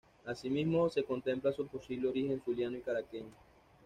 Asimismo, se contempla su posible origen zuliano y caraqueño.